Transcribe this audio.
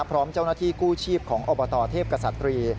พร้อมเจ้าหน้าที่กู้ชีพของอบตเทพกษัตรี